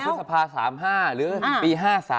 พฤษภา๓๕หรือปี๕๓